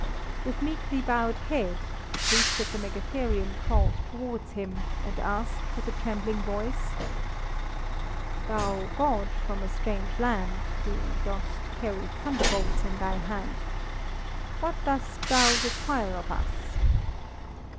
With meekly bowed head, the priest of the megatherium crawled towards him, and asked with a trembling voice "Thou God from a strange land who dost carry thunderbolts in thy hand, what dost thou require of us?"